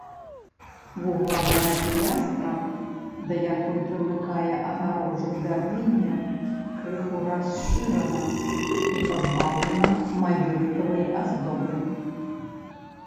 Вуглавая пілястра, да якой прымыкае агароджа з бярвення, крыху расшырана і пазбаўлена маёлікавай аздобы.